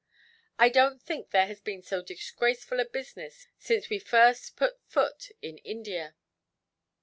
I don't think there has been so disgraceful a business since we first put foot in India.